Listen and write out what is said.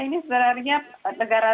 ini sebenarnya negara